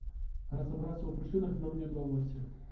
Разабрацца ў прычынах нам не ўдалося.